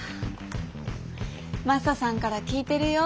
マサさんから聞いてるよ。